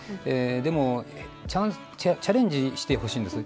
でもチャレンジしてほしいんです。